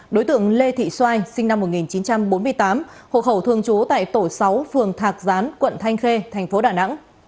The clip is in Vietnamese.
đối tượng lê thị xoai sinh năm một nghìn chín trăm bốn mươi tám hộ khẩu thường trú tại tổ sáu phường thạc gián quận thanh khê thành phố đà nẵng